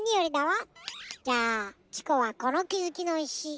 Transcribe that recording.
じゃあチコはこのきづきのいし